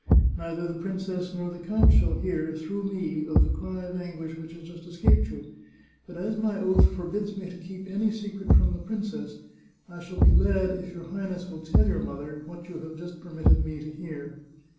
Neither the princess nor the count shall hear, through me, of the cry of anguish which has just escaped you, but as my oath forbids me to keep any secret from the princess, I shall be glad if your Highness will tell your mother what you have just permitted me to hear."